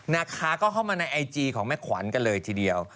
นะคะก็เข้ามาในไอจีของแม่ขวัญกันเลยทีเดียว